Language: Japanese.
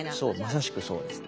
まさしくそうですね。